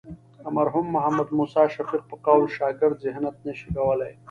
د مرحوم محمد موسی شفیق په قول شاګرد ذهنیت نه شي کولی.